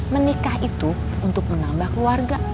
menikah itu untuk menambah keluarga